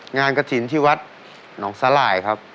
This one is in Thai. งานกระจินที่วัดน้องสลายครับ